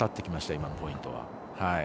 今のポイントは。